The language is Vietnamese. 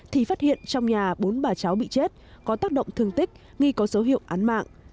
thì phát hiện trong nhà bốn bà cháu bị chết có tác động thương tích nghi có dấu hiệu án mạng